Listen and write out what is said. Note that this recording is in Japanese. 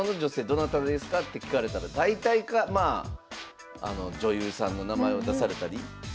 どなたですかって聞かれたら大体まあ女優さんの名前を出されたり。